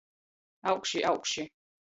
Augši, augši.